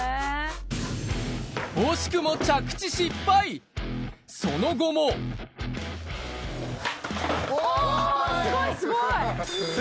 惜しくもその後もおすごいすごい。